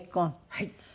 はい。